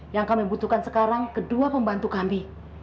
yang kami butuhkan sekarang kedua pembantu kami